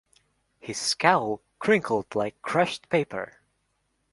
His scowl crinkled like crushed paper.